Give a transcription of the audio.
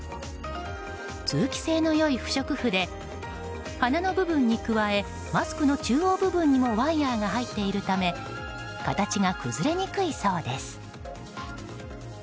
通気性の良い不織布で鼻の部分に加えマスクの中央部分にもワイヤが入っているため形が崩れにくいそうです。